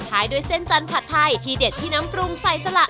ท้ายด้วยเส้นจันทร์ผัดไทยที่เด็ดที่น้ำปรุงใส่สละ